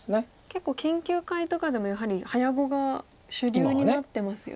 結構研究会とかでもやはり早碁が主流になってますよね。